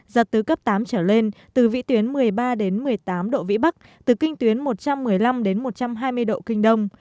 giật từ cấp tám trở lên từ vị tuyến một mươi ba một mươi tám độ vĩ bắc từ kinh tuyến một trăm một mươi năm đến một trăm hai mươi độ kinh đông